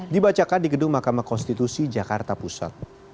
dibacakan di gedung mahkamah konstitusi jakarta pusat